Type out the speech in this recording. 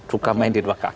suka main di dua kaki